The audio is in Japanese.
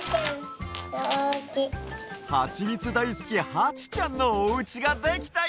はちみつだいすきはちちゃんのおうちができたＹＯ！